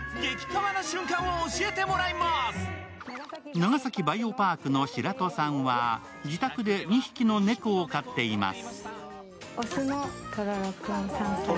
長崎バイオパークの白土さんは自宅で２匹の猫を飼っています。